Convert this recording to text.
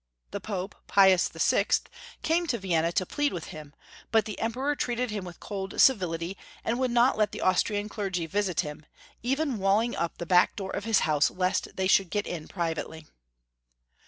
The Pope, Pius VI., came to Vienna to plead with him, but the Emperor treated him with cold civil ity, and would not let the Austrian clergy visit him, even walling up the back door of his house lest they should get in privately.